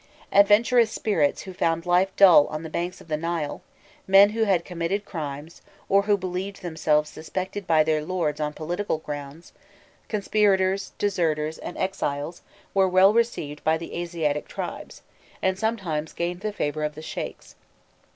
Adventurous spirits who found life dull on the banks of the Nile, men who had committed crimes, or who believed themselves suspected by their lords on political grounds, conspirators, deserters, and exiles were well received by the Asiatic tribes, and sometimes gained the favour of the sheikhs.